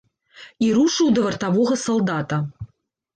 І рушыў да вартавога салдата.